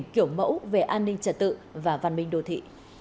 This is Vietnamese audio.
kiểu mẫu về an ninh trật tự và văn minh đô thị